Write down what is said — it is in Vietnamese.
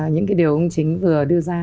những cái điều ông chính vừa đưa ra